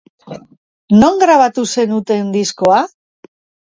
Non grabatu zenuten diskoa?